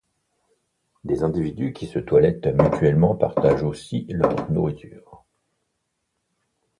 Les individus qui se toilettent mutuellement partagent aussi leur nourriture.